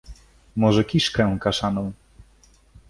Może kiszkę kaszaną?